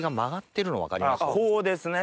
こうですね？